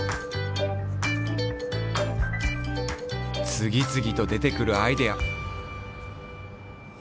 つぎつぎと出てくるアイデア。